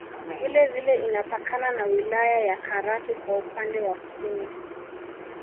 Vile vile inapakana na wilaya ya Karatu kwa upande wa Kusini